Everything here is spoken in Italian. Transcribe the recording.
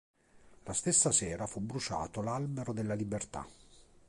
La stessa sera fu bruciato l'albero della libertà.